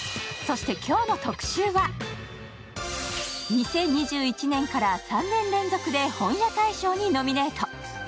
２０２１年から３年連続で本屋大賞にノミネート。